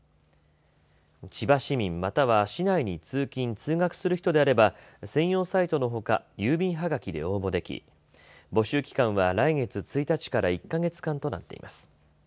千葉市民、または市内に通勤通学する人であれば専用サイトのほか郵便はがきで応募でき募集期間は来月１日から１か月間となっています。